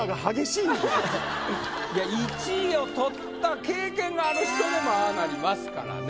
いや１位を取った経験がある人でもああなりますからね。